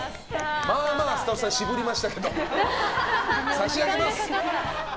まあまあスタッフさん渋りましたけど差し上げます。